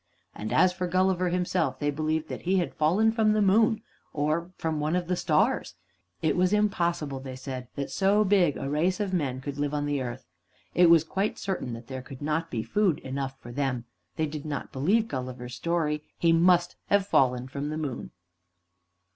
And as for Gulliver himself, they believed that he had fallen from the moon, or from one of the stars; it was impossible, they said, that so big a race of men could live on the earth. It was quite certain that there could not be food enough for them. They did not believe Gulliver's story. He must have fallen from the moon!